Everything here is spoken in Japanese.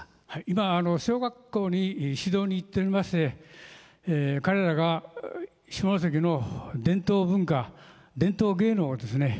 今小学校に指導に行っておりまして彼らが下関の伝統文化伝統芸能をですね